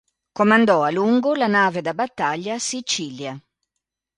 Comandò a lungo la nave da battaglia "Sicilia".